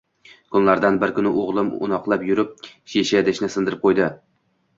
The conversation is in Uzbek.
Kunlardan bir kuni o`g`lim o`ynoqlab yurib, shisha idishni sindirib qo`ydi